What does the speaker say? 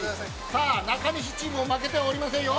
◆さあ、なかにしチームも負けてはおりませんよ。